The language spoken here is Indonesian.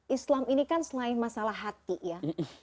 islam ini kan selain masalah hati ya